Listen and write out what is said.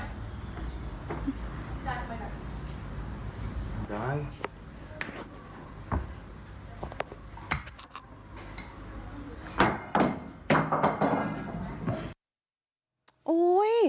ทำร้าย